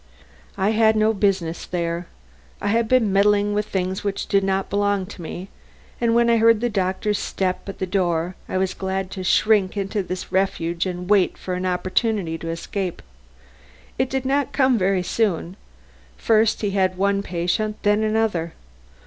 I had no business there. I had been meddling with things which did not belong to me and, when I heard the doctor's step at the door, was glad to shrink into this refuge and wait for an opportunity to escape. It did not come very soon. First he had one patient, then another.